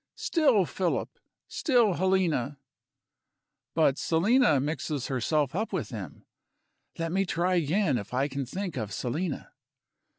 Still Philip! Still Helena! But Selina mixes herself up with them. Let me try again if I can think of Selina.